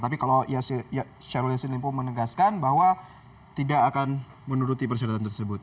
tapi kalau syahrul yassin limpo menegaskan bahwa tidak akan menuruti persyaratan tersebut